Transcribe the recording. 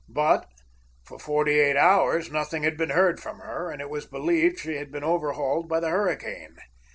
But for forty eight hours nothing had been heard from her, and it was believed she had been overhauled by the hurricane.